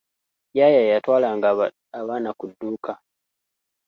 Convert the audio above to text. Yaaya yatwalanga abaana ku dduuka.